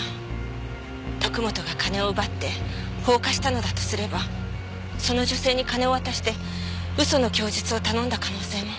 徳本が金を奪って放火したのだとすればその女性に金を渡して嘘の供述を頼んだ可能性も。